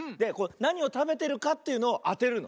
なにをたべてるかというのをあてるの。